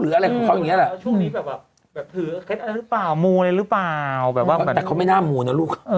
หรืออะไรของเขาอย่างนี้ล่ะแต่เขาไม่น่ามูลนะลูก